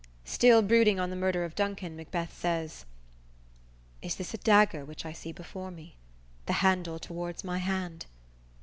"_ Still brooding on the murder of Duncan, Macbeth says: _"Is this a dagger which I see before me, The handle towards my hand?